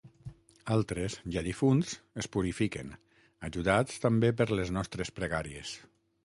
Altres, ja difunts, es purifiquen, ajudats també per les nostres pregàries.